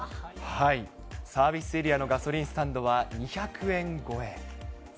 サービスエリアのガソリンスタンドは２００円超え。